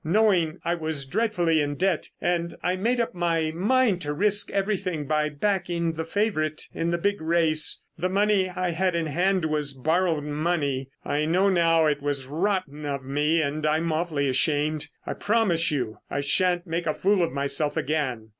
knowing I was dreadfully in debt, and I had made up my mind to risk everything by backing the favourite in the big race. The money I had in hand was borrowed money. I know now it was rotten of me and I'm awfully ashamed. I promise you I shan't make a fool of myself again.